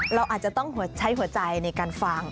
เราอาจจะต้องใช้หัวใจในการฟัง